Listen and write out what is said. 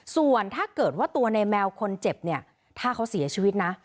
ส่วนถ้าเกิดว่าตัวในแมวคนเจ็บเนี่ยถ้าเขาเสียชีวิตนะ